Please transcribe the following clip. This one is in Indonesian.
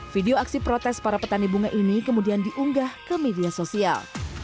video aksi protes para petani bunga ini kemudian diunggah ke media sosial